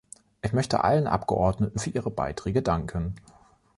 Ich möchte allen Abgeordneten für ihre Beiträge danken.